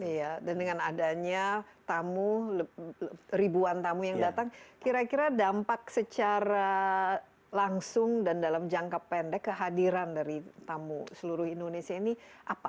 iya dan dengan adanya tamu ribuan tamu yang datang kira kira dampak secara langsung dan dalam jangka pendek kehadiran dari tamu seluruh indonesia ini apa